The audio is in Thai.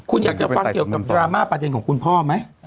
คุณอยากจะฟังเกี่ยวกับดราม่าประเด็นของคุณพ่อไหม